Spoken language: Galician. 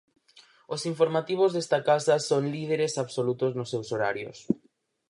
Os informativos desta casa son líderes absolutos nos seus horarios.